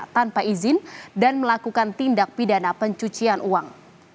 tanpa izin dan melakukan tindak pidana pencucian uang